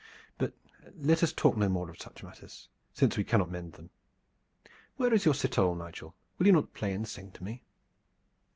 But let us talk no more of such matters, since we cannot mend them. Where is your citole, Nigel? Will you not play and sing to me?"